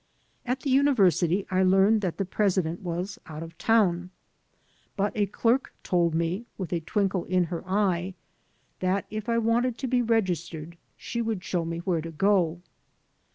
At the university I learned that the president was out of town. But a derk told me, with a twinkle in 201 1 AN AMERICAN IN THE MAKING her eye, that if I wanted to be registered she would show me where to go.